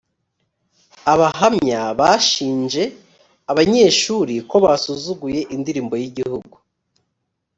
abahamya bashinje abanyeshuri ko basuzuguye indirimbo y’igihugu